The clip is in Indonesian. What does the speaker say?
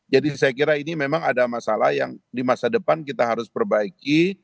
jadi saya kira ini memang ada masalah yang di masa depan kita harus perbaiki